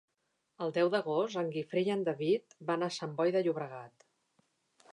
El deu d'agost en Guifré i en David van a Sant Boi de Llobregat.